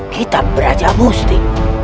kita beraja musti